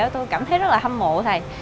tôi cảm thấy rất là hâm mộ thầy